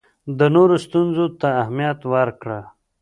د نورو ستونزو ته اهمیت ورکړه.